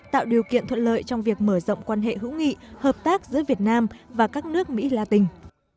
tạo điều kiện thuận lợi trong việc mở rộng quan hệ hữu nghị hợp tác giữa việt nam và các nước mỹ la tình